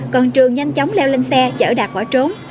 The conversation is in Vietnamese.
còn trường nhanh chóng leo lên xe chở đạt bỏ trốn